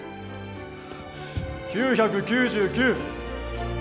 ９９９。